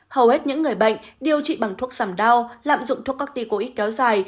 hầu hết những người bệnh điều trị bằng thuốc giảm đau lạm dụng thuốc corticoid kéo dài